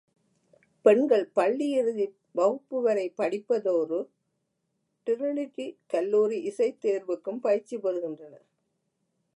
பெண்கள் பள்ளியிறுதி வகுப்புவரை படிப்பதோடு, டிரினிடி கல்லூரி இசைத் தேர்வுக்கும் பயிற்சி பெறுகின்றனர்.